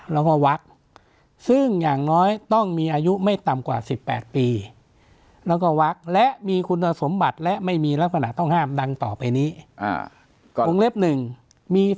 แล้วก็วักซึ่งอย่างน้อยต้องมีอายุไม่ต่ำกว่าสิบแปดปี